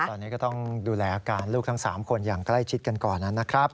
ตอนนี้ก็ต้องดูแลอาการลูกทั้ง๓คนอย่างใกล้ชิดกันก่อนนะครับ